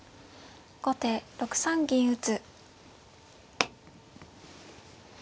後手６三銀打。